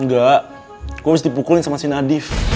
nggak gue abis dipukulin sama si nadif